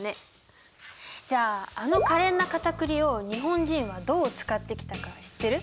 じゃああの可憐なカタクリを日本人はどう使ってきたか知ってる？